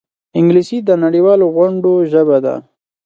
انګلیسي د نړيوالو غونډو ژبه ده